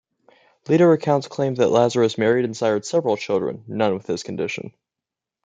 Later accounts claim that Lazarus married and sired several children, none with his condition.